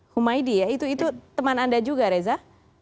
humaydi ya itu teman anda juga reza